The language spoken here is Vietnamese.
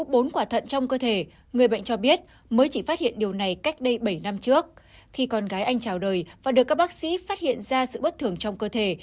bệnh viện e cho biết mới chỉ phát hiện điều này cách đây bảy năm trước khi con gái anh trào đời và được các bác sĩ phát hiện ra sự bất thường trong cơ thể